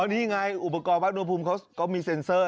นี่ไงอุปกรณ์วัดอุณหภูมิเขามีเซ็นเซอร์